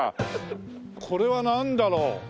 これはなんだろう？